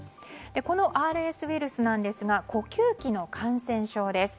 このＲＳウイルスなんですが呼吸器の感染症です。